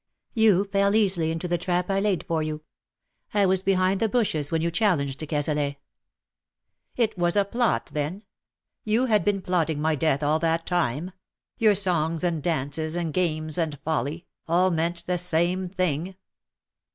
You fell easily into the trap I laid for you. I was behind the bushes when you challenged de Cazalet." " It was a plot then. You had been plotting my death all that time. Your songs and dances, and games and folly, all meant the same thing."